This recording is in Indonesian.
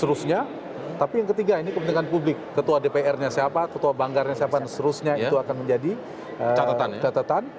seterusnya tapi yang ketiga ini kepentingan publik ketua dpr nya siapa ketua banggarnya siapa dan seterusnya itu akan menjadi catatan